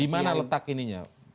dimana letak ininya bung liusus